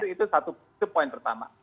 itu satu poin pertama